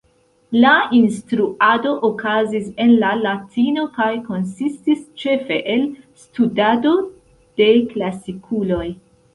La instruado okazis en la latino kaj konsistis ĉefe el studado de klasikuloj.